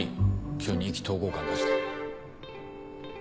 急に意気投合感出して。